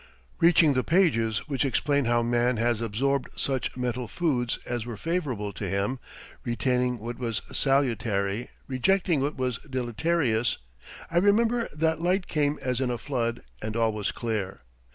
Reaching the pages which explain how man has absorbed such mental foods as were favorable to him, retaining what was salutary, rejecting what was deleterious, I remember that light came as in a flood and all was clear.